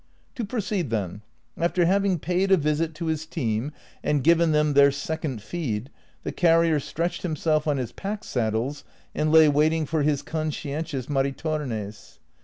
^ To proceed, then : after having paid a visit to his team and given them their second feed, the carrier stretched himself on his pack saddles and lay waiting for his conscientious Mari tornes.